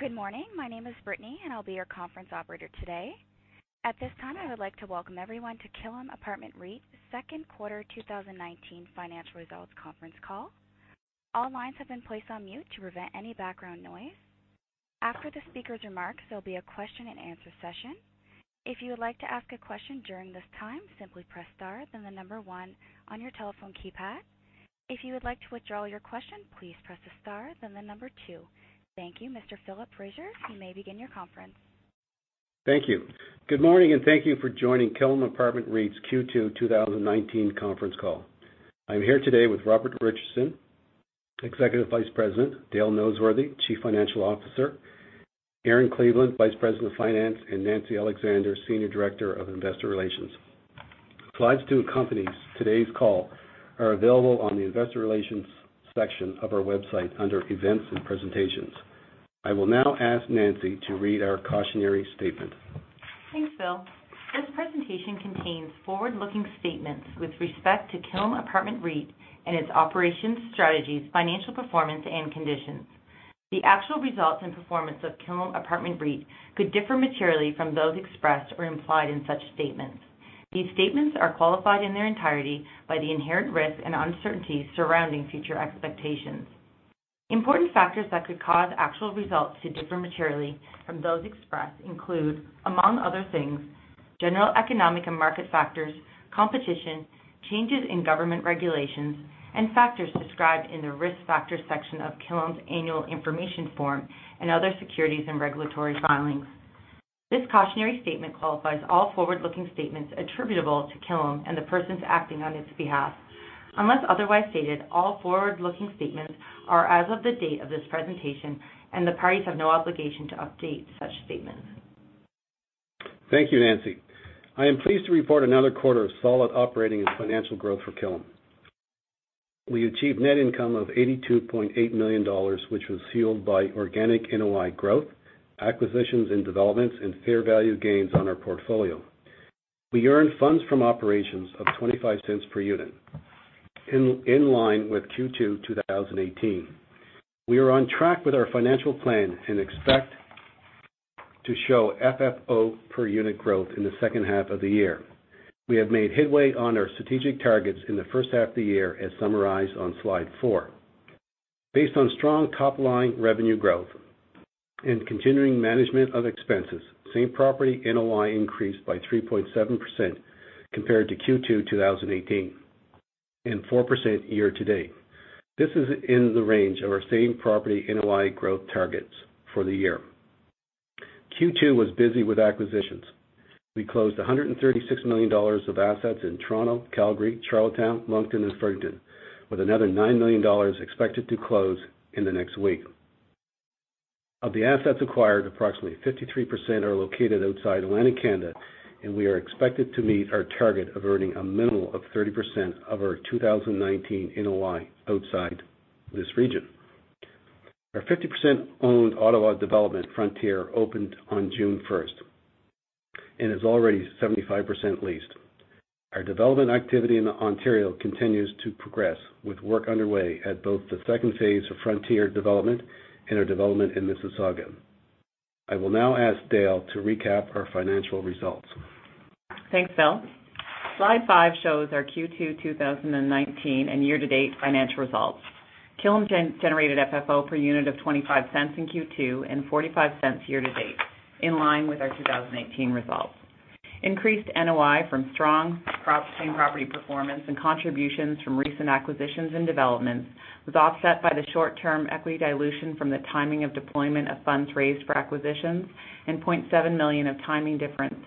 Good morning. My name is Brittany, and I'll be your conference operator today. At this time, I would like to welcome everyone to Killam Apartment REIT's second quarter 2019 financial results conference call. All lines have been placed on mute to prevent any background noise. After the speaker's remarks, there'll be a question and answer session. If you would like to ask a question during this time, simply press star, then the number 1 on your telephone keypad. If you would like to withdraw your question, please press star, then the number 2. Thank you. Mr. Philip Fraser, you may begin your conference. Thank you. Good morning, and thank you for joining Killam Apartment REIT's Q2 2019 conference call. I'm here today with Robert Richardson, Executive Vice President; Dale Noseworthy, Chief Financial Officer; Erin Cleveland, Vice President of Finance; and Nancy Alexander, Senior Director of Investor Relations. Slides to accompany today's call are available on the Investor Relations section of our website under Events and Presentations. I will now ask Nancy to read our cautionary statement. Thanks, Phil. This presentation contains forward-looking statements with respect to Killam Apartment REIT and its operations, strategies, financial performance, and conditions. The actual results and performance of Killam Apartment REIT could differ materially from those expressed or implied in such statements. These statements are qualified in their entirety by the inherent risks and uncertainties surrounding future expectations. Important factors that could cause actual results to differ materially from those expressed include, among other things, general economic and market factors, competition, changes in government regulations, and factors described in the Risk Factors section of Killam's annual information form and other securities and regulatory filings. This cautionary statement qualifies all forward-looking statements attributable to Killam and the persons acting on its behalf. Unless otherwise stated, all forward-looking statements are as of the date of this presentation, and the parties have no obligation to update such statements. Thank you, Nancy. I am pleased to report another quarter of solid operating and financial growth for Killam. We achieved net income of 82.8 million dollars, which was fueled by organic NOI growth, acquisitions and developments, and fair value gains on our portfolio. We earned funds from operations of 0.25 per unit, in line with Q2 2018. We are on track with our financial plan and expect to show FFO per unit growth in the second half of the year. We have made headway on our strategic targets in the first half of the year, as summarized on slide four. Based on strong top-line revenue growth and continuing management of expenses, same property NOI increased by 3.7% compared to Q2 2018, and 4% year-to-date. This is in the range of our same property NOI growth targets for the year. Q2 was busy with acquisitions. We closed 136 million dollars of assets in Toronto, Calgary, Charlottetown, Moncton, and Fredericton, with another 9 million dollars expected to close in the next week. Of the assets acquired, approximately 53% are located outside Atlantic Canada, and we are expected to meet our target of earning a minimum of 30% of our 2019 NOI outside this region. Our 50%-owned Ottawa development, Frontier, opened on June 1st and is already 75% leased. Our development activity in Ontario continues to progress, with work underway at both the second phase of Frontier development and our development in Mississauga. I will now ask Dale to recap our financial results. Thanks, Phil. Slide five shows our Q2 2019 and year-to-date financial results. Killam generated FFO per unit of 0.25 in Q2 and 0.45 year-to-date, in line with our 2018 results. Increased NOI from strong same-property performance and contributions from recent acquisitions and developments was offset by the short-term equity dilution from the timing of deployment of funds raised for acquisitions and 0.7 million of timing differences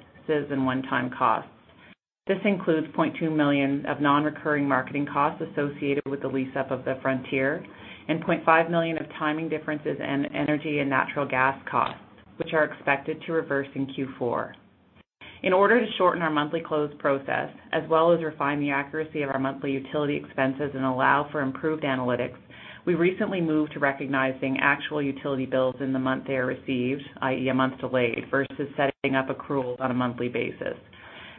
and one-time costs. This includes 0.2 million of non-recurring marketing costs associated with the lease-up of the Frontier and 0.5 million of timing differences in energy and natural gas costs, which are expected to reverse in Q4. In order to shorten our monthly close process, as well as refine the accuracy of our monthly utility expenses and allow for improved analytics, we recently moved to recognizing actual utility bills in the month they are received, i.e., a month delayed, versus setting up accruals on a monthly basis.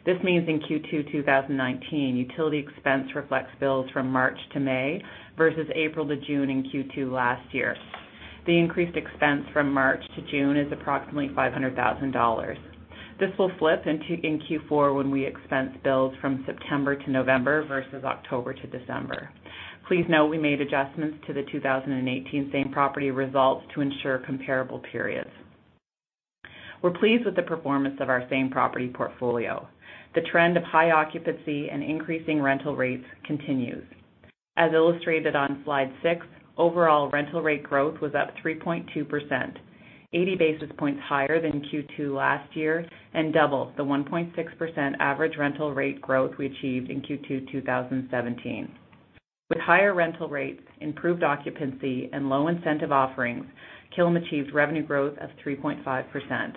This means in Q2 2019, utility expense reflects bills from March to May, versus April to June in Q2 last year. The increased expense from March to June is approximately 500,000 dollars. This will flip in Q4 when we expense bills from September to November versus October to December. Please note we made adjustments to the 2018 same-property results to ensure comparable periods. We're pleased with the performance of our same-property portfolio. The trend of high occupancy and increasing rental rates continues. As illustrated on slide six, overall rental rate growth was up 3.2%, 80 basis points higher than Q2 last year, and double the 1.6% average rental rate growth we achieved in Q2 2017. With higher rental rates, improved occupancy, and low incentive offerings, Killam achieved revenue growth of 3.5%.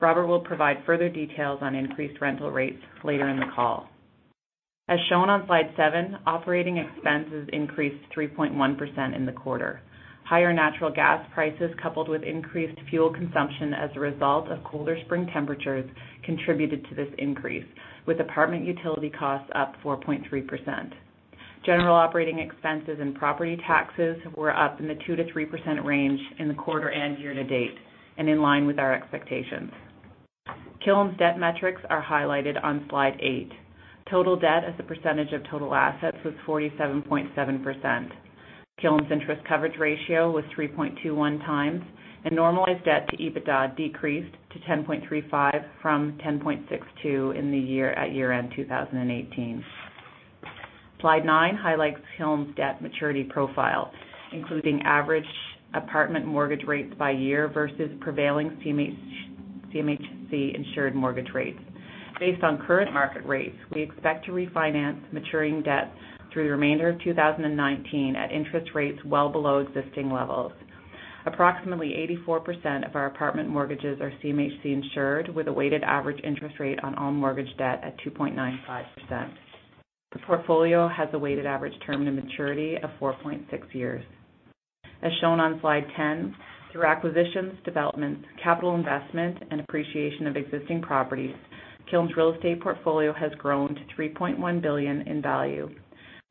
Robert will provide further details on increased rental rates later in the call. As shown on slide seven, operating expenses increased 3.1% in the quarter. Higher natural gas prices, coupled with increased fuel consumption as a result of colder spring temperatures, contributed to this increase, with apartment utility costs up 4.3%. General operating expenses and property taxes were up in the 2%-3% range in the quarter and year-to-date, and in line with our expectations. Killam's debt metrics are highlighted on Slide 8. Total debt as a percentage of total assets was 47.7%. Killam's interest coverage ratio was 3.21 times. Normalized debt to EBITDA decreased to 10.35 from 10.62 at year-end 2018. Slide nine highlights Killam's debt maturity profile, including average apartment mortgage rates by year versus prevailing CMHC-insured mortgage rates. Based on current market rates, we expect to refinance maturing debts through the remainder of 2019 at interest rates well below existing levels. Approximately 84% of our apartment mortgages are CMHC insured, with a weighted average interest rate on all mortgage debt at 2.95%. The portfolio has a weighted average term to maturity of 4.6 years. As shown on Slide 10, through acquisitions, developments, capital investment, and appreciation of existing properties, Killam's real estate portfolio has grown to 3.1 billion in value.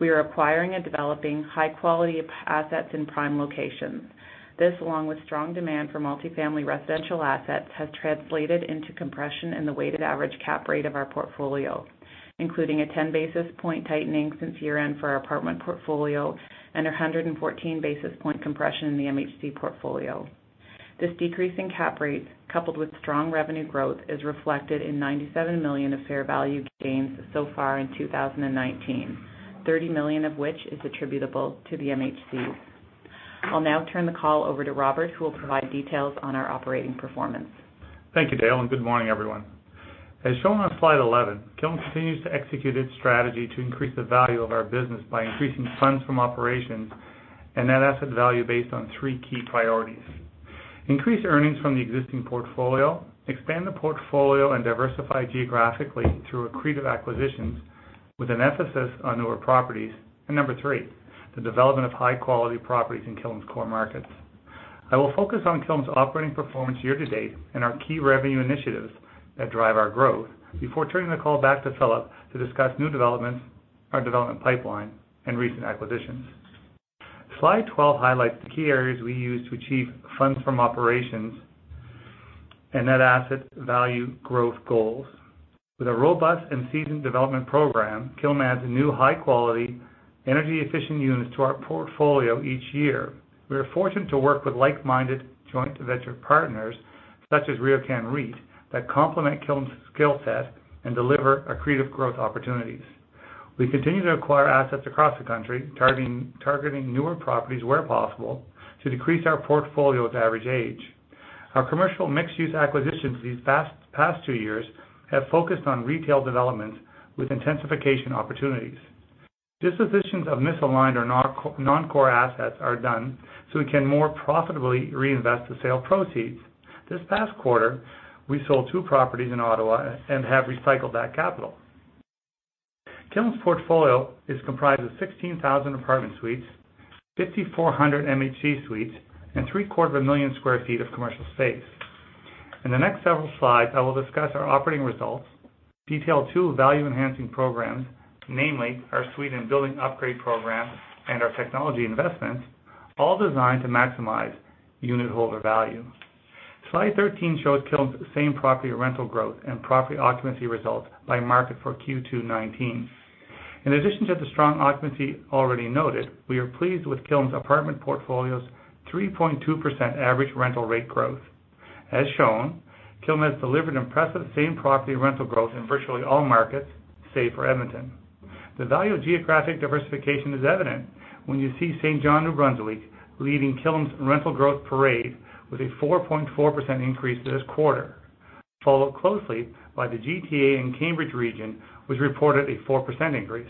We are acquiring and developing high-quality assets in prime locations. This, along with strong demand for multi-family residential assets, has translated into compression in the weighted average cap rate of our portfolio, including a 10 basis points tightening since year-end for our apartment portfolio and 114 basis points compression in the MHC portfolio. This decrease in cap rate, coupled with strong revenue growth, is reflected in 97 million of fair value gains so far in 2019, 30 million of which is attributable to the MHC. I'll now turn the call over to Robert, who will provide details on our operating performance. Thank you, Dale, good morning, everyone. As shown on Slide 11, Killam continues to execute its strategy to increase the value of our business by increasing funds from operations and net asset value based on three key priorities: increase earnings from the existing portfolio, expand the portfolio and diversify geographically through accretive acquisitions, with an emphasis on newer properties. Number three, the development of high-quality properties in Killam's core markets. I will focus on Killam's operating performance year-to-date and our key revenue initiatives that drive our growth before turning the call back to Philip to discuss new developments, our development pipeline, and recent acquisitions. Slide 12 highlights the key areas we use to achieve funds from operations and net asset value growth goals. With a robust and seasoned development program, Killam adds new high-quality, energy-efficient units to our portfolio each year. We are fortunate to work with like-minded joint venture partners, such as RioCan REIT, that complement Killam's skill set and deliver accretive growth opportunities. We continue to acquire assets across the country, targeting newer properties where possible to decrease our portfolio's average age. Our commercial mixed-use acquisitions these past two years have focused on retail developments with intensification opportunities. Dispositions of misaligned or non-core assets are done so we can more profitably reinvest the sale proceeds. This past quarter, we sold two properties in Ottawa and have recycled that capital. Killam's portfolio is comprised of 16,000 apartment suites, 5,400 MHC suites, and three-quarter of a million sq ft of commercial space. In the next several slides, I will discuss our operating results, detail two value-enhancing programs, namely our suite and building upgrade program and our technology investments, all designed to maximize unitholder value. Slide 13 shows Killam's same-property rental growth and property occupancy results by market for Q2 2019. In addition to the strong occupancy already noted, we are pleased with Killam's apartment portfolio's 3.2% average rental rate growth. As shown, Killam has delivered impressive same-property rental growth in virtually all markets, save for Edmonton. The value of geographic diversification is evident when you see Saint John, New Brunswick leading Killam's rental growth parade with a 4.4% increase this quarter, followed closely by the GTA and Cambridge region, which reported a 4% increase.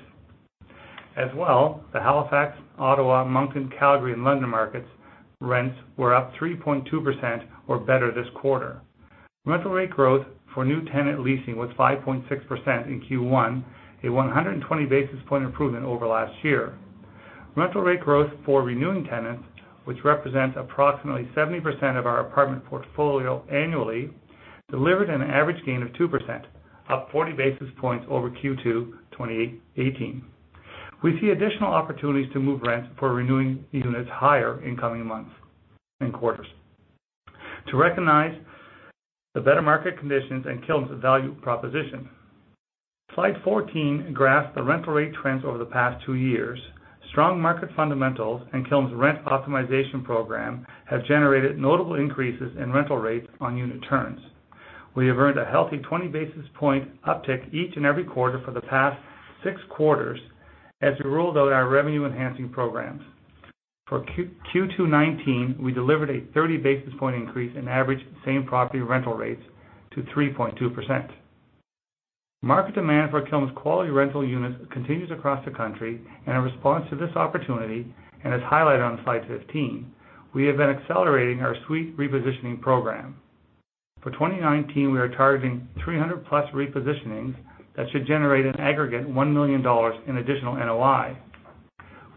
The Halifax, Ottawa, Moncton, Calgary, and London markets' rents were up 3.2% or better this quarter. Rental rate growth for new tenant leasing was 5.6% in Q1, a 120-basis point improvement over last year. Rental rate growth for renewing tenants, which represents approximately 70% of our apartment portfolio annually, delivered an average gain of 2%, up 40 basis points over Q2 2018. We see additional opportunities to move rents for renewing units higher in coming months and quarters to recognize the better market conditions and Killam's value proposition. Slide 14 graphs the rental rate trends over the past two years. Strong market fundamentals and Killam's rent optimization program have generated notable increases in rental rates on unit turns. We have earned a healthy 20-basis point uptick each and every quarter for the past six quarters as we rolled out our revenue-enhancing programs. For Q2 '19, we delivered a 30-basis point increase in average same-property rental rates to 3.2%. Market demand for Killam's quality rental units continues across the country, and in response to this opportunity and as highlighted on Slide 15, we have been accelerating our suite repositioning program. For 2019, we are targeting 300-plus repositionings that should generate an aggregate 1 million dollars in additional NOI.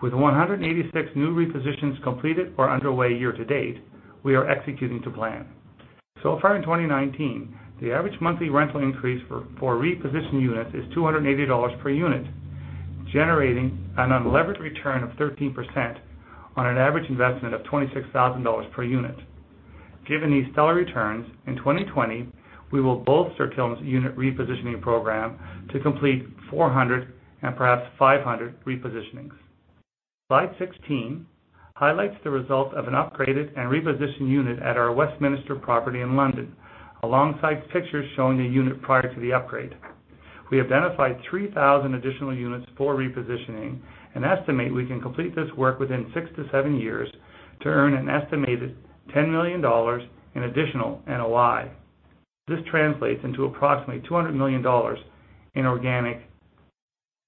With 186 new repositions completed or underway year-to-date, we are executing to plan. Far in 2019, the average monthly rental increase for repositioned units is 280 dollars per unit, generating an unlevered return of 13% on an average investment of 26,000 dollars per unit. Given these stellar returns, in 2020, we will bolster Killam's unit repositioning program to complete 400 and perhaps 500 repositionings. Slide 16 highlights the result of an upgraded and repositioned unit at our Westminster property in London, alongside pictures showing the unit prior to the upgrade. We identified 3,000 additional units for repositioning and estimate we can complete this work within six to seven years to earn an estimated 10 million dollars in additional NOI. This translates into approximately 200 million dollars in organic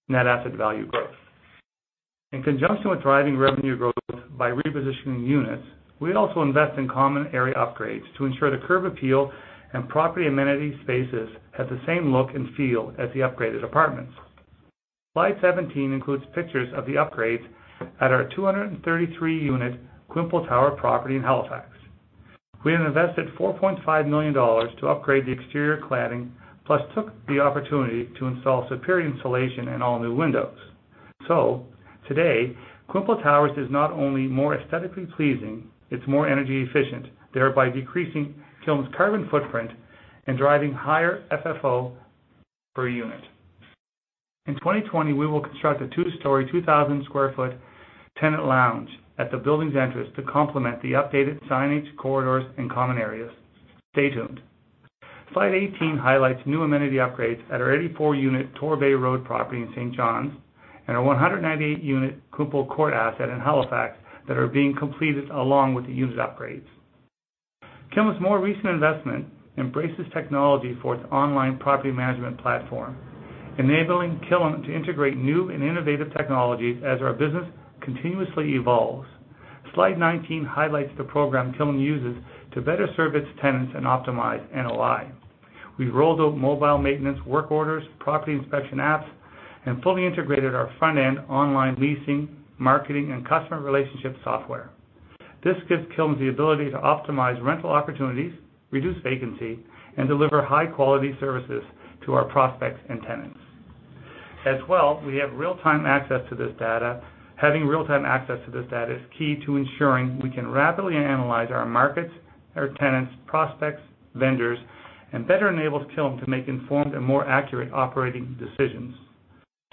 net asset value growth. In conjunction with driving revenue growth by repositioning units, we also invest in common area upgrades to ensure the curb appeal and property amenity spaces have the same look and feel as the upgraded apartments. Slide 17 includes pictures of the upgrades at our 233-unit Quinpool Tower property in Halifax. We have invested 4.5 million dollars to upgrade the exterior cladding, plus took the opportunity to install superior insulation and all-new windows. Today, Quinpool Towers is not only more aesthetically pleasing, it is more energy efficient, thereby decreasing Killam's carbon footprint and driving higher FFO per unit. In 2020, we will construct a two-story, 2,000 sq ft tenant lounge at the building's entrance to complement the updated signage, corridors, and common areas. Stay tuned. Slide 18 highlights new amenity upgrades at our 84-unit Torbay Road property in St. John's and our 198-unit Quinpool Court asset in Halifax that are being completed along with the unit upgrades. Killam's more recent investment embraces technology for its online property management platform, enabling Killam to integrate new and innovative technologies as our business continuously evolves. Slide 19 highlights the program Killam uses to better serve its tenants and optimize NOI. We rolled out mobile maintenance work orders, property inspection apps, and fully integrated our front-end online leasing, marketing, and customer relationship software. This gives Killam the ability to optimize rental opportunities, reduce vacancy, and deliver high-quality services to our prospects and tenants. As well, we have real-time access to this data. Having real-time access to this data is key to ensuring we can rapidly analyze our markets, our tenants, prospects, vendors, and better enables Killam to make informed and more accurate operating decisions.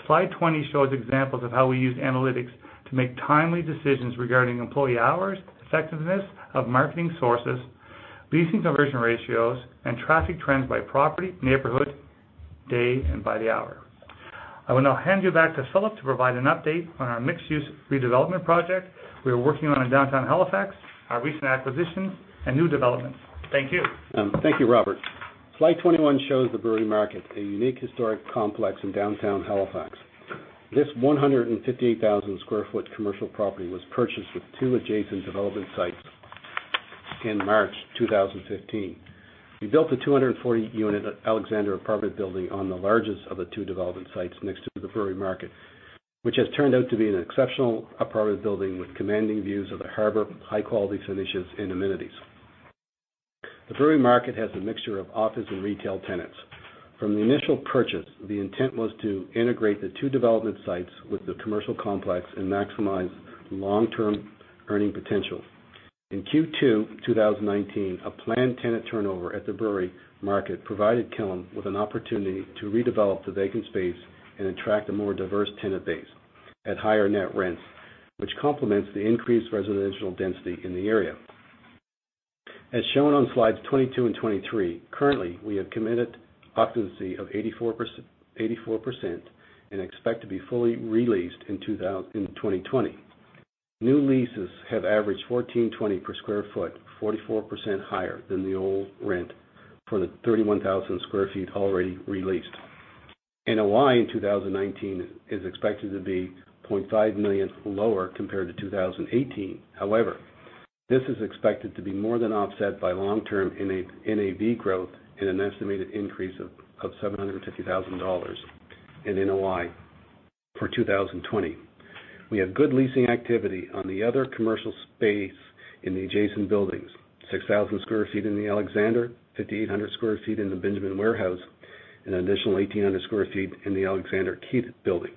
Slide 20 shows examples of how we use analytics to make timely decisions regarding employee hours, effectiveness of marketing sources, leasing conversion ratios, and traffic trends by property, neighborhood, day, and by the hour. I will now hand you back to Philip to provide an update on our mixed-use redevelopment project we are working on in downtown Halifax, our recent acquisitions, and new developments. Thank you. Thank you, Robert. Slide 21 shows the Brewery Market, a unique historic complex in downtown Halifax. This 158,000 sq ft commercial property was purchased with two adjacent development sites in March 2015. We built the 240-unit Alexander apartment building on the largest of the two development sites next to the Brewery Market, which has turned out to be an exceptional apartment building with commanding views of the harbor, high-quality finishes, and amenities. The Brewery Market has a mixture of office and retail tenants. From the initial purchase, the intent was to integrate the two development sites with the commercial complex and maximize long-term earning potential. In Q2 2019, a planned tenant turnover at the Brewery Market provided Killam with an opportunity to redevelop the vacant space and attract a more diverse tenant base at higher net rents, which complements the increased residential density in the area. As shown on slides 22 and 23, currently, we have committed occupancy of 84% and expect to be fully re-leased in 2020. New leases have averaged 1,420 per square foot, 44% higher than the old rent for the 31,000 square feet already re-leased. NOI in 2019 is expected to be 0.5 million lower compared to 2018. However, this is expected to be more than offset by long-term NAV growth and an estimated increase of 750,000 dollars in NOI for 2020. We have good leasing activity on the other commercial space in the adjacent buildings, 6,000 square feet in The Alexander, 5,800 square feet in the Benjamin Warehouse, an additional 1,800 square feet in the Alexander Keith Building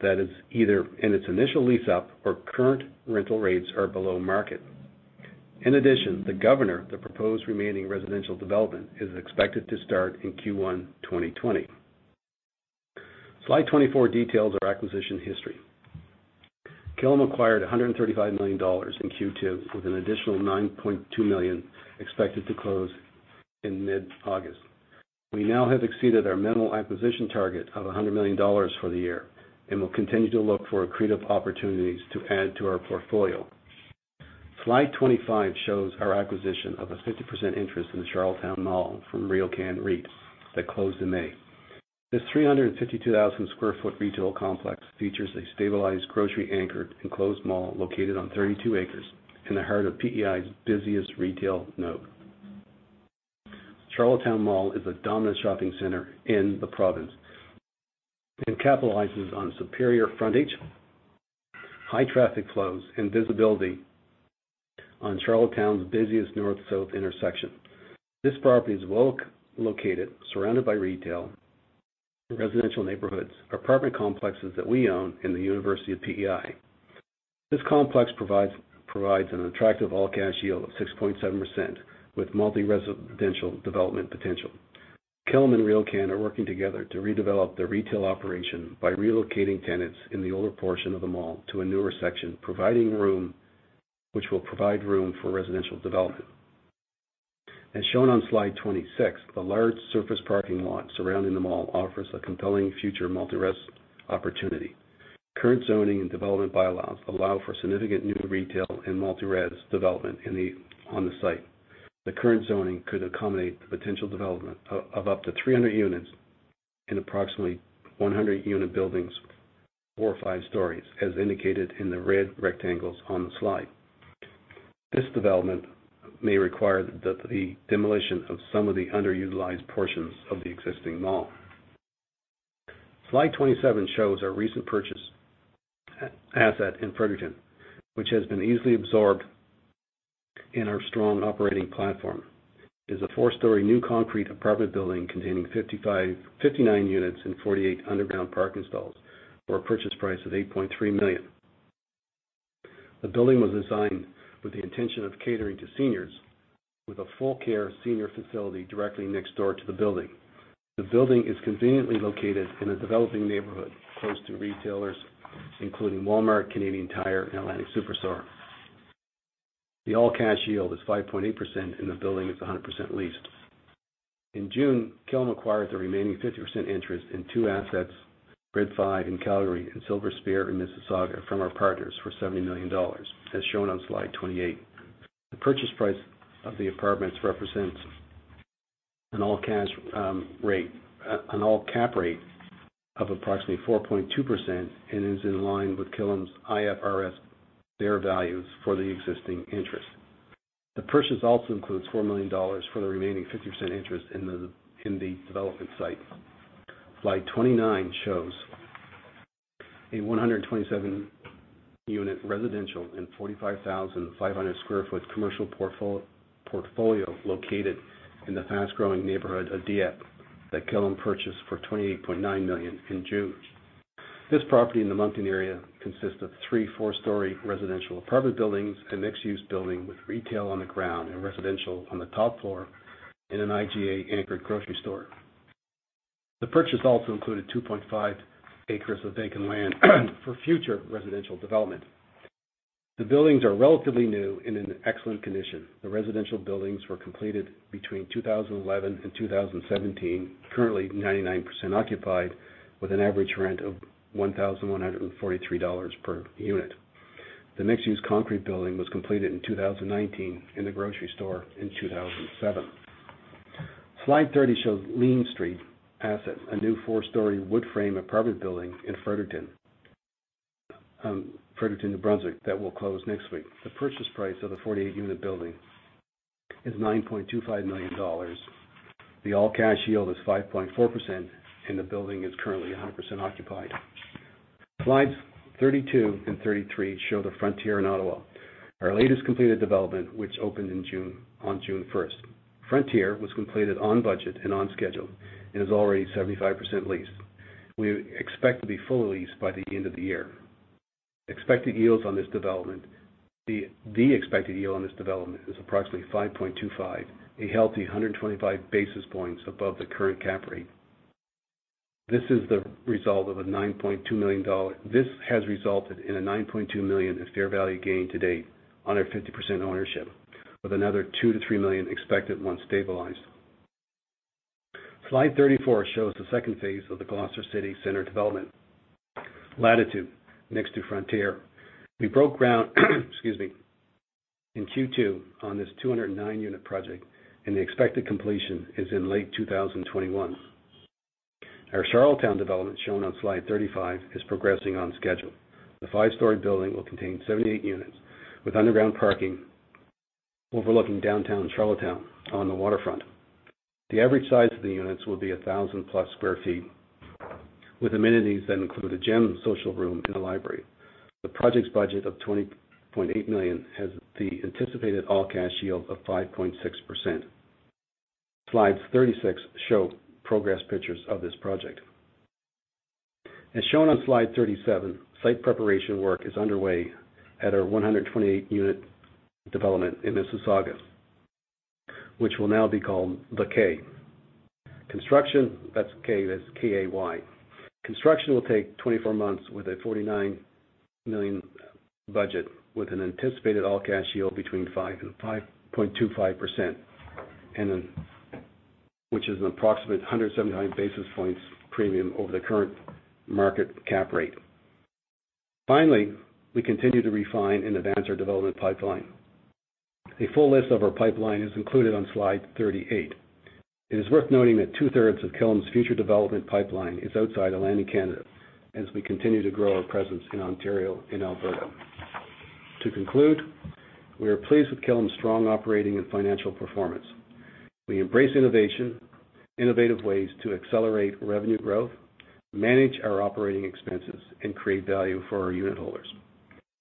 that is either in its initial lease-up or current rental rates are below market. In addition, The Governor, the proposed remaining residential development, is expected to start in Q1 2020. Slide 24 details our acquisition history. Killam acquired 135 million dollars in Q2, with an additional 9.2 million expected to close in mid-August. We now have exceeded our minimal acquisition target of 100 million dollars for the year and will continue to look for accretive opportunities to add to our portfolio. Slide 25 shows our acquisition of a 50% interest in the Charlottetown Mall from RioCan REIT that closed in May. This 352,000 sq ft retail complex features a stabilized, grocery-anchored, enclosed mall located on 32 acres in the heart of PEI's busiest retail node. Charlottetown Mall is a dominant shopping center in the province and capitalizes on superior frontage, high traffic flows and visibility on Charlottetown's busiest north-south intersection. This property is well located, surrounded by retail, residential neighborhoods, apartment complexes that we own, and the University of PEI. This complex provides an attractive all-cash yield of 6.7%, with multi-residential development potential. Killam and RioCan are working together to redevelop the retail operation by relocating tenants in the older portion of the mall to a newer section, which will provide room for residential development. As shown on slide 26, the large surface parking lot surrounding the mall offers a compelling future multi-res opportunity. Current zoning and development bylaws allow for significant new retail and multi-res development on the site. The current zoning could accommodate the potential development of up to 300 units in approximately 100-unit buildings, four or five stories, as indicated in the red rectangles on the slide. This development may require the demolition of some of the underutilized portions of the existing mall. Slide 27 shows our recent purchase asset in Fredericton, which has been easily absorbed in our strong operating platform. It is a four-story new concrete apartment building containing 59 units and 48 underground parking stalls for a purchase price of 8.3 million. The building was designed with the intention of catering to seniors, with a full-care senior facility directly next door to the building. The building is conveniently located in a developing neighborhood close to retailers including Walmart, Canadian Tire, and Atlantic Superstore. The all-cash yield is 5.8%, and the building is 100% leased. In June, Killam acquired the remaining 50% interest in two assets, Grid 5 in Calgary and Silver Spear in Mississauga, from our partners for 70 million dollars, as shown on slide 28. The purchase price of the apartments represents an all cap rate of approximately 4.2% and is in line with Killam's IFRS fair values for the existing interest. The purchase also includes 4 million dollars for the remaining 50% interest in the development site. Slide 29 shows a 127-unit residential and 45,500 square foot commercial portfolio located in the fast-growing neighborhood of Dieppe that Killam purchased for 28.9 million in June. This property in the Moncton area consists of three four-story residential apartment buildings, a mixed-use building with retail on the ground and residential on the top floor, and an IGA-anchored grocery store. The purchase also included 2.5 acres of vacant land for future residential development. The buildings are relatively new and in excellent condition. The residential buildings were completed between 2011 and 2017. Currently 99% occupied, with an average rent of 1,143 dollars per unit. The mixed-use concrete building was completed in 2019, and the grocery store in 2007. Slide 30 shows Lian Street asset, a new four-story wood frame apartment building in Fredericton, New Brunswick, that will close next week. The purchase price of the 48-unit building is 9.25 million dollars. The all-cash yield is 5.4%, and the building is currently 100% occupied. Slides 32 and 33 show the Frontier in Ottawa, our latest completed development, which opened on June 1st. Frontier was completed on budget and on schedule and is already 75% leased. We expect to be fully leased by the end of the year. The expected yield on this development is approximately 5.25%, a healthy 125 basis points above the current cap rate. This has resulted in a 9.2 million fair value gain to date on our 50% ownership, with another 2 million to 3 million expected once stabilized. Slide 34 shows the second phase of the Gloucester City Centre development, Latitude, next to Frontier. We broke ground in Q2 on this 209-unit project, and the expected completion is in late 2021. Our Charlottetown development, shown on slide 35, is progressing on schedule. The five-story building will contain 78 units with underground parking overlooking downtown Charlottetown on the waterfront. The average size of the units will be 1,000-plus sq ft, with amenities that include a gym, social room, and a library. The project's budget of 20.8 million has the anticipated all-cash yield of 5.6%. Slide 36 show progress pictures of this project. As shown on slide 37, site preparation work is underway at our 128-unit development in Mississauga, which will now be called The Kay. That's K-A-Y. Construction will take 24 months with a 49 million budget, with an anticipated all-cash yield between 5% and 5.25%, which is an approximate 179 basis points premium over the current market cap rate. Finally, we continue to refine and advance our development pipeline. A full list of our pipeline is included on slide 38. It is worth noting that two-thirds of Killam's future development pipeline is outside of Atlantic Canada as we continue to grow our presence in Ontario and Alberta. To conclude, we are pleased with Killam's strong operating and financial performance. We embrace innovative ways to accelerate revenue growth, manage our operating expenses, and create value for our unitholders.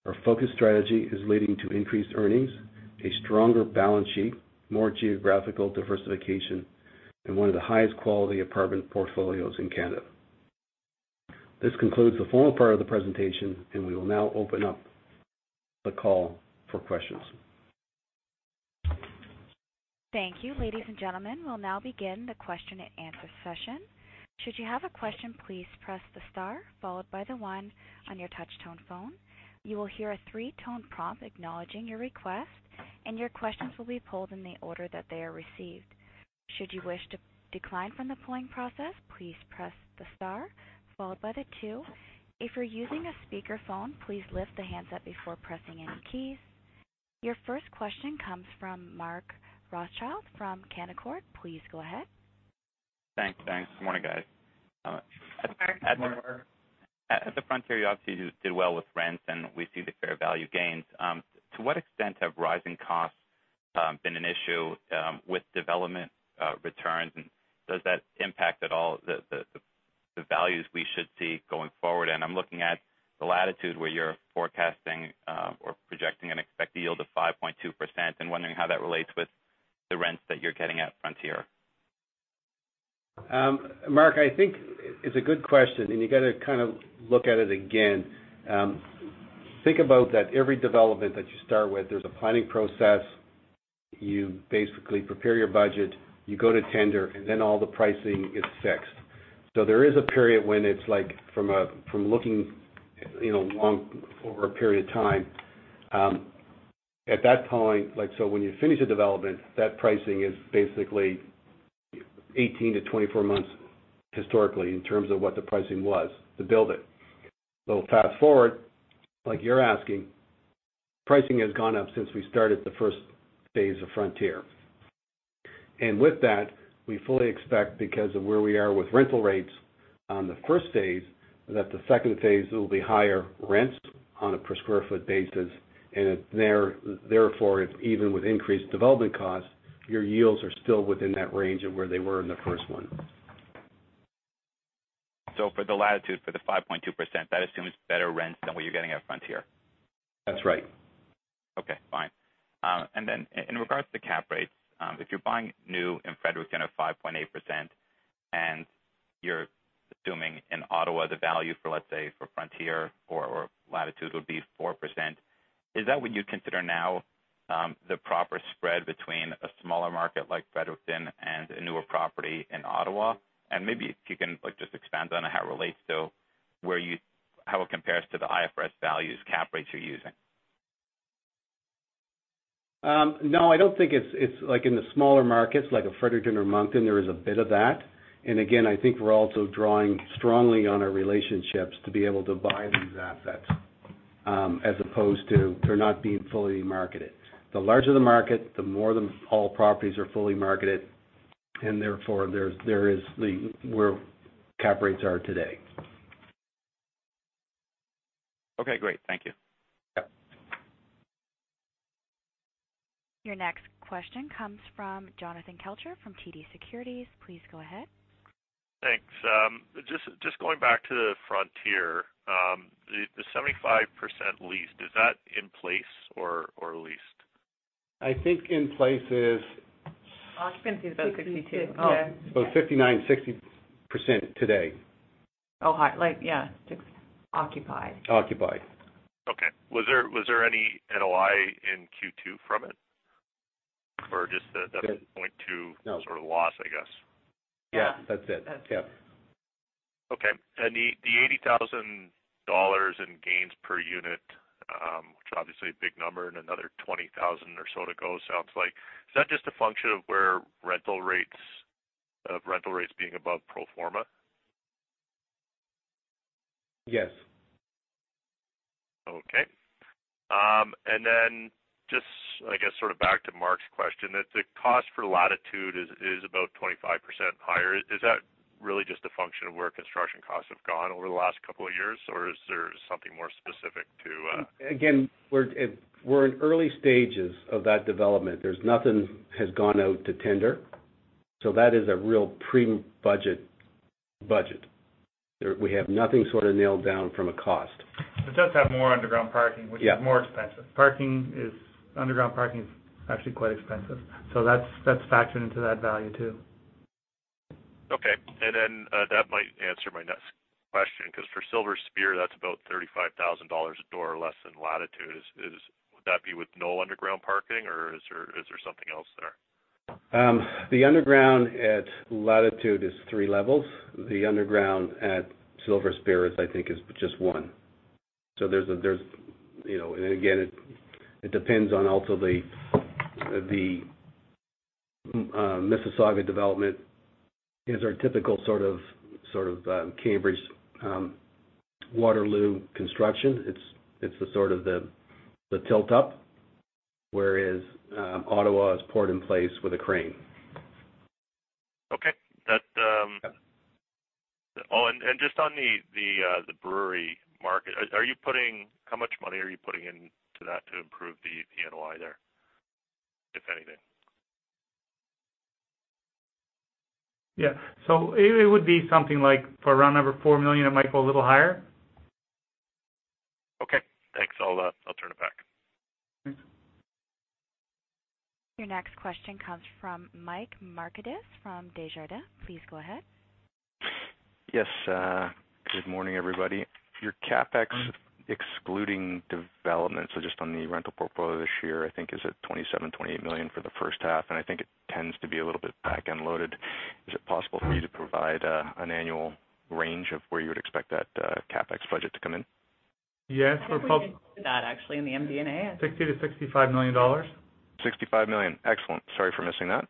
Our focus strategy is leading to increased earnings, a stronger balance sheet, more geographical diversification, and one of the highest quality apartment portfolios in Canada. This concludes the formal part of the presentation, and we will now open up the call for questions. Thank you. Ladies and gentlemen, we'll now begin the question and answer session. Should you have a question, please press the star followed by the one on your touch-tone phone. You will hear a three-tone prompt acknowledging your request, and your questions will be polled in the order that they are received. Should you wish to decline from the polling process, please press the star followed by the two. If you're using a speakerphone, please lift the handset before pressing any keys. Your first question comes from Mark Rothschild from Canaccord. Please go ahead. Thanks. Good morning, guys. Good morning, Mark. At the Frontier, you obviously did well with rents and we see the fair value gains. To what extent have rising costs been an issue with development returns, and does that impact at all the values we should see going forward? I'm looking at the Latitude where you're forecasting or projecting an expected yield of 5.2% and wondering how that relates with the rents that you're getting at Frontier. Mark, I think it's a good question. You got to kind of look at it again. Think about that every development that you start with, there's a planning process. You basically prepare your budget, you go to tender, and then all the pricing is fixed. There is a period when it's like from looking over a period of time. At that point, when you finish a development, that pricing is basically 18 to 24 months historically in terms of what the pricing was to build it. Fast-forward, like you're asking, pricing has gone up since we started the first phase of Frontier. With that, we fully expect, because of where we are with rental rates on the first phase, that the second phase will be higher rents on a per square foot basis. Therefore, even with increased development costs, your yields are still within that range of where they were in the first one. For the Latitude, for the 5.2%, that assumes better rents than what you're getting at Frontier. That's right. Okay, fine. In regards to cap rates, if you're buying new in Fredericton at 5.8%, and you're assuming in Ottawa, the value for, let's say, for Frontier or Latitude would be 4%, is that what you'd consider now the proper spread between a smaller market like Fredericton and a newer property in Ottawa? Maybe if you can just expand on how it relates to how it compares to the IFRS values cap rates you're using. No, I don't think it's like in the smaller markets like a Fredericton or Moncton, there is a bit of that. Again, I think we're also drawing strongly on our relationships to be able to buy these assets as opposed to they're not being fully marketed. The larger the market, the more all properties are fully marketed, and therefore, there is where cap rates are today. Okay, great. Thank you. Yep. Your next question comes from Jonathan Kelcher from TD Securities. Please go ahead. Thanks. Just going back to the Frontier. The 75% leased, is that in-place or leased? I think in-place is. Occupancy is about 62%, yeah. 59%, 60% today. Oh, like, yeah, occupied. Occupied. Okay. Was there any NOI in Q2 from it? No sort of loss, I guess? Yeah. Yeah. That's it. Yeah. Okay. The 80,000 dollars in gains per unit, which obviously a big number and another 20,000 or so to go, sounds like. Is that just a function of rental rates being above pro forma? Yes. Okay. Just I guess sort of back to Mark's question, the cost for Latitude is about 25% higher. Is that really just a function of where construction costs have gone over the last couple of years, or is there something more specific? Again, we're in early stages of that development. Nothing has gone out to tender. That is a real pre-budget, budget. We have nothing sort of nailed down from a cost. It does have more underground parking. Yeah which is more expensive. Underground parking is actually quite expensive, so that's factored into that value too. Okay. That might answer my next question, because for Silver Spear, that's about 35,000 dollars a door less than Latitude. Would that be with no underground parking, or is there something else there? The underground at Latitude is 3 levels. The underground at Silver Spear is, I think, just 1. Again, it depends on also the Mississauga development is our typical sort of Cambridge-Waterloo construction. It's the sort of the tilt-up, whereas Ottawa is poured in place with a crane. Just on the Brewery Market, how much money are you putting into that to improve the NOI there, if anything? Yeah. It would be something like around 4 million. It might go a little higher. Okay, thanks. I'll turn it back. Thanks. Your next question comes from Mike Markidis from Desjardins. Please go ahead. Yes. Good morning, everybody. Your CapEx excluding development, so just on the rental portfolio this year, I think is at 27 million, 28 million for the first half, and I think it tends to be a little bit back-end loaded. Is it possible for you to provide an annual range of where you would expect that CapEx budget to come in? Yes, for pub- I think we included that actually in the MD&A. 60 million-65 million dollars. 65 million. Excellent. Sorry for missing that.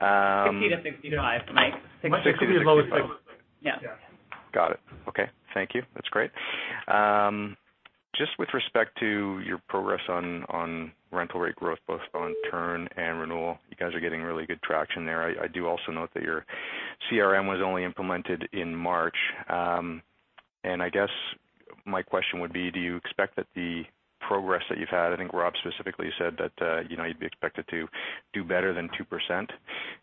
60-65, Mike. Might actually be a little bit- Yeah. Yeah. Got it. Okay. Thank you. That's great. Just with respect to your progress on rental rate growth, both on turn and renewal, you guys are getting really good traction there. I do also note that your CRM was only implemented in March. I guess my question would be, do you expect that the progress that you've had, I think Rob specifically said that you'd be expected to do better than 2%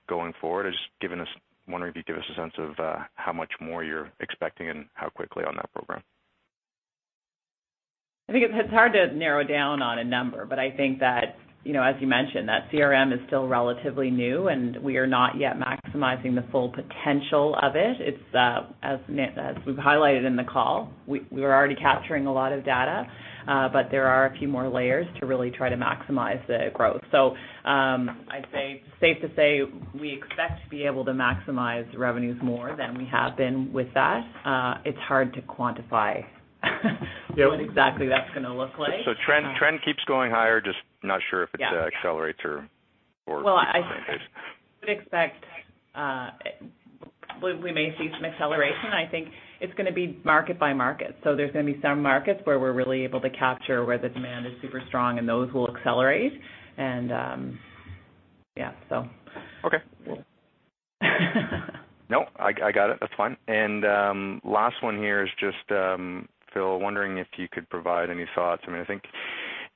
going forward. I was just wondering if you could give us a sense of how much more you're expecting and how quickly on that program. I think it's hard to narrow down on a number, but I think that, as you mentioned, that CRM is still relatively new, and we are not yet maximizing the full potential of it. As we've highlighted in the call, we were already capturing a lot of data, but there are a few more layers to really try to maximize the growth. I'd say it's safe to say we expect to be able to maximize revenues more than we have been with that. It's hard to quantify what exactly that's going to look like. Trend keeps going higher, just not sure if it accelerates or. Well, stays the same pace. would expect we may see some acceleration. I think it's going to be market by market. There's going to be some markets where we're really able to capture where the demand is super strong, and those will accelerate. Okay. No, I got it. That's fine. Last one here is just, Phil, wondering if you could provide any thoughts. I think,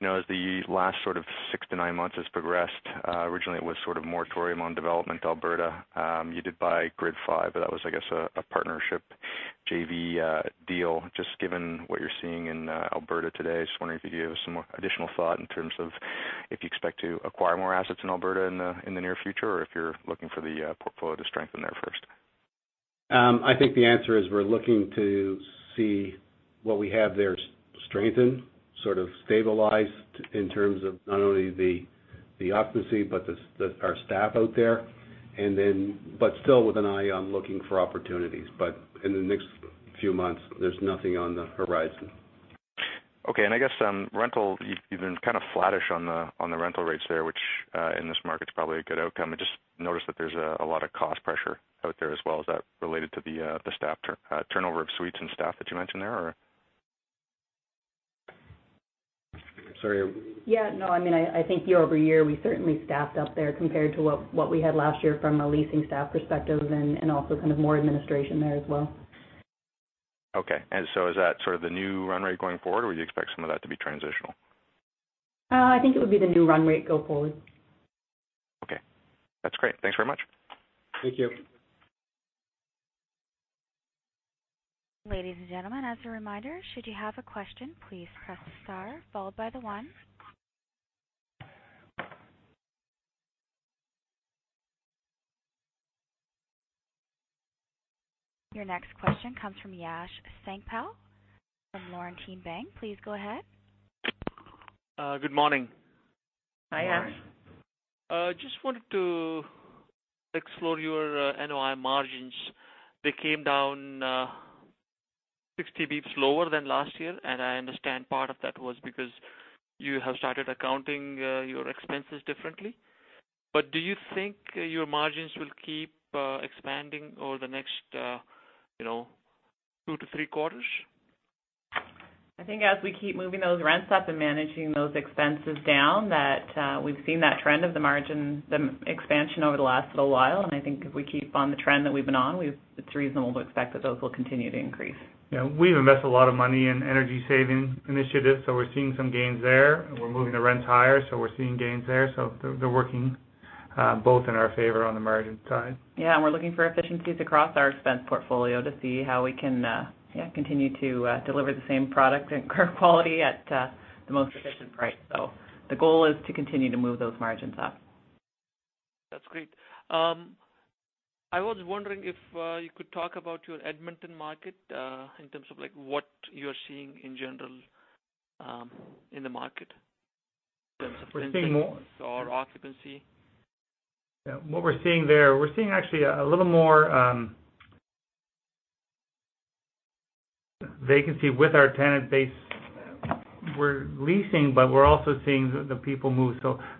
as the last sort of six to nine months has progressed, originally it was sort of moratorium on development to Alberta. You did buy Grid 5, but that was, I guess, a partnership JV deal. Given what you're seeing in Alberta today, I was just wondering if you could give some additional thought in terms of if you expect to acquire more assets in Alberta in the near future, or if you're looking for the portfolio to strengthen there first. I think the answer is we're looking to see what we have there strengthened, sort of stabilized in terms of not only the occupancy, but our staff out there. Still with an eye on looking for opportunities. In the next few months, there's nothing on the horizon. Okay. I guess, you've been kind of flattish on the rental rates there, which, in this market, is probably a good outcome. I just noticed that there's a lot of cost pressure out there as well. Is that related to the turnover of suites and staff that you mentioned there, or? Sorry. Yeah, no, I think year-over-year, we certainly staffed up there compared to what we had last year from a leasing staff perspective and also kind of more administration there as well. Okay. Is that sort of the new run rate going forward, or you expect some of that to be transitional? I think it would be the new run rate go forward. Okay. That's great. Thanks very much. Thank you. Ladies and gentlemen, as a reminder, should you have a question, please press star followed by the one. Your next question comes from Yash Sankpal from Laurentian Bank. Please go ahead. Good morning. Hi, Yash. Morning. Just wanted to explore your NOI margins. They came down 60 basis points lower than last year, I understand part of that was because you have started accounting your expenses differently. Do you think your margins will keep expanding over the next two to three quarters? I think as we keep moving those rents up and managing those expenses down, that we've seen that trend of the margin expansion over the last little while, and I think if we keep on the trend that we've been on, it's reasonable to expect that those will continue to increase. Yeah. We've invested a lot of money in energy-saving initiatives, so we're seeing some gains there. We're moving the rents higher, so we're seeing gains there. They're working both in our favor on the margin side. We're looking for efficiencies across our expense portfolio to see how we can continue to deliver the same product and quality at the most efficient price. The goal is to continue to move those margins up. That's great. I was wondering if you could talk about your Edmonton market, in terms of what you're seeing in general in the market in terms of. We're seeing more- Occupancy. Yeah. What we're seeing there, we're seeing actually a little more vacancy with our tenant base. We're leasing, but we're also seeing the people move.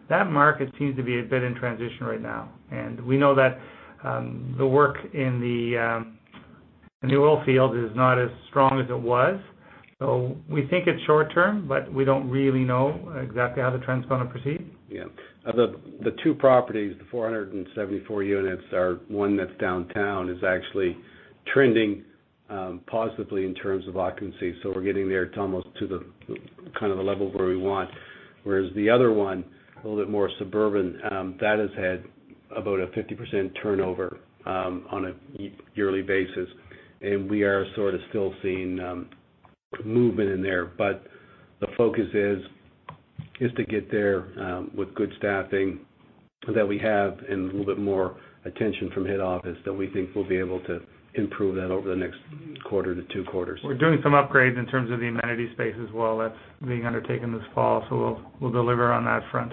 That market seems to be a bit in transition right now, and we know that the work in the new oil field is not as strong as it was. We think it's short term, but we don't really know exactly how the trend's going to proceed. Yeah. Of the two properties, the 474 units are one that's downtown is actually trending positively in terms of occupancy. We're getting there. It's almost to the level where we want. Whereas the other one, a little bit more suburban, that has had about a 50% turnover on a yearly basis, we are sort of still seeing movement in there. The focus is to get there with good staffing that we have and a little bit more attention from head office that we think we'll be able to improve that over the next quarter to two quarters. We're doing some upgrades in terms of the amenity space as well. That's being undertaken this fall, so we'll deliver on that front.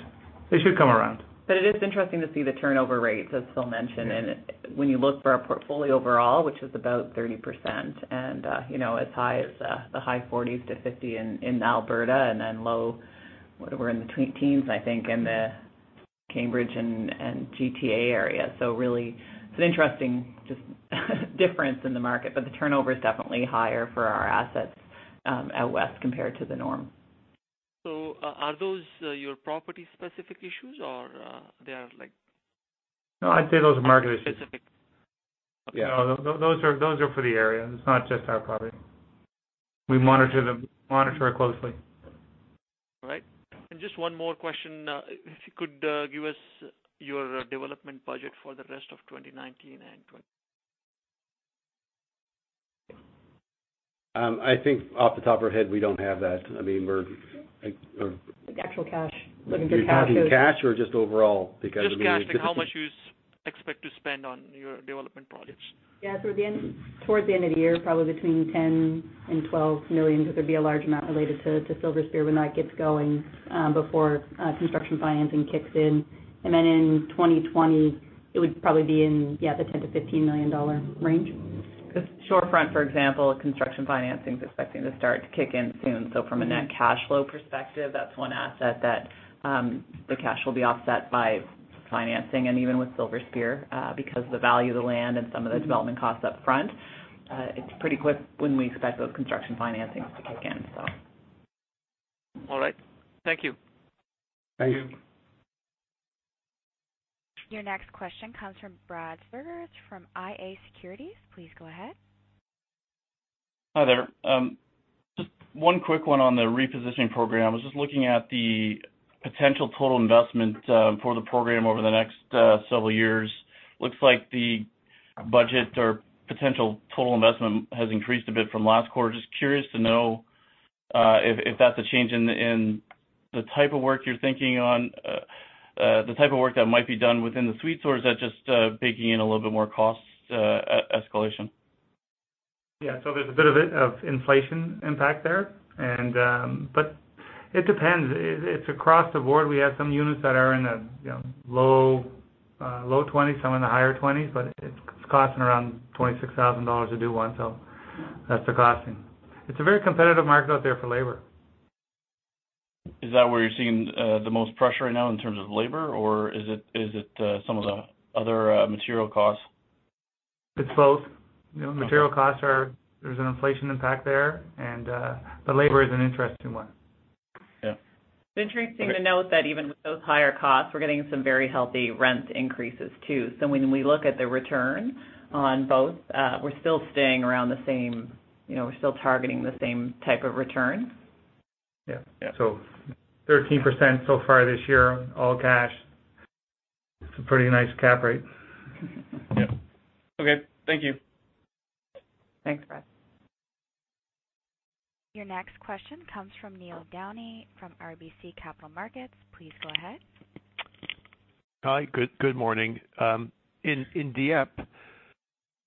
They should come around. It is interesting to see the turnover rates, as Phil mentioned. When you look for our portfolio overall, which is about 30% and as high as the high 40s to 50 in Alberta and then low, we're in the teens, I think, in the Cambridge and GTA area. Really, it's an interesting just difference in the market, but the turnover is definitely higher for our assets out west compared to the norm. Are those your property-specific issues? No, I'd say those are market issues. specific. Okay. Yeah. No, those are for the area. It's not just our property. We monitor it closely. All right. Just one more question. If you could give us your development budget for the rest of 2019 and 2020. I think off the top of our head, we don't have that. I mean. Like actual cash, looking for cash. Are you talking cash or just overall? Because I mean. Just cash, like how much you expect to spend on your development projects. Yeah. Towards the end of the year, probably between 10 million and 12 million, which would be a large amount related to Silver Spear when that gets going before construction financing kicks in. In 2020, it would probably be in, yeah, the 10 million-15 million dollar range. Shorefront, for example, construction financing's expecting to start to kick in soon. From a net cash flow perspective, that's one asset that the cash will be offset by financing. Even with Silver Spear, because the value of the land and some of the development costs up front, it's pretty quick when we expect those construction financings to kick in. All right. Thank you. Thank you. Thank you. Your next question comes from Brad Sturges from IA Securities. Please go ahead. Hi there. Just one quick one on the repositioning program. I was just looking at the potential total investment for the program over the next several years. Looks like the budget or potential total investment has increased a bit from last quarter. Just curious to know if that's a change in the type of work you're thinking on, the type of work that might be done within the suites, or is that just baking in a little bit more cost escalation? Yeah. There's a bit of inflation impact there. It depends. It's across the board. We have some units that are in the low 20s, some in the higher 20s, but it's costing around 26,000 dollars to do one, so that's the costing. It's a very competitive market out there for labor. Is that where you're seeing the most pressure right now in terms of labor, or is it some of the other material costs? It's both. Material costs, there's an inflation impact there, and the labor is an interesting one. Yeah. It's interesting to note that even with those higher costs, we're getting some very healthy rent increases, too. When we look at the return on both, we're still staying around the same, we're still targeting the same type of return. Yeah. Yeah. 13% so far this year, all cash. It's a pretty nice cap rate. Yeah. Okay. Thank you. Thanks, Brad. Your next question comes from Neil Downey from RBC Capital Markets. Please go ahead. Hi. Good morning. In Dieppe,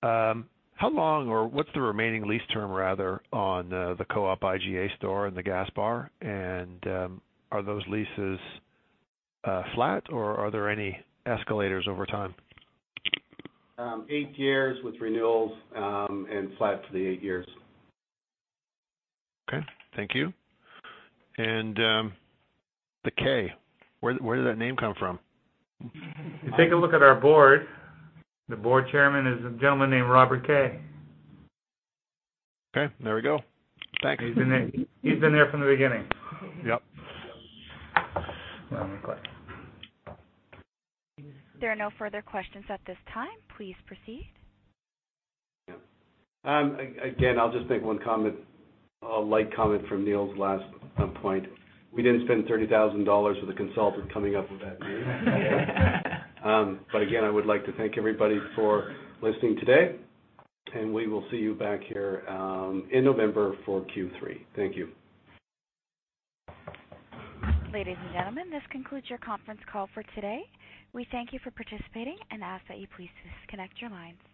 how long, or what's the remaining lease term rather, on the co-op IGA store and the gas bar? Are those leases flat, or are there any escalators over time? Eight years with renewals, and flat for the eight years. Okay. Thank you. The Kay, where did that name come from? If you take a look at our board, the board chairman is a gentleman named Robert Kay. Okay. There we go. Thanks. He's been there from the beginning. Yep. Yeah. One click. There are no further questions at this time. Please proceed. Yeah. Again, I'll just make one comment, a light comment from Neil's last point. We didn't spend 30,000 dollars with a consultant coming up with that name. Again, I would like to thank everybody for listening today, and we will see you back here in November for Q3. Thank you. Ladies and gentlemen, this concludes your conference call for today. We thank you for participating and ask that you please disconnect your lines.